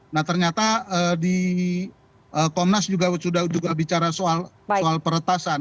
nah ternyata di komnas juga sudah juga bicara soal peretasan